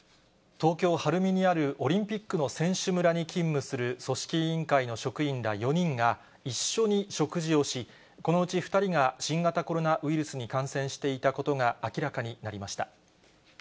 東京・晴海にあるオリンピックの選手村に勤務する組織委員会の職員ら４人が一緒に食事をし、このうち２人が新型コロナウイルスに感染していたことが明らかになりました。